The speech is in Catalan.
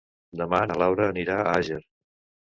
Demà na Laura anirà a Àger.